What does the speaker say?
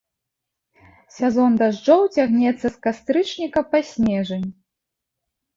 Сезон дажджоў цягнецца з кастрычніка па снежань.